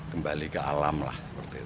kembali ke alam lah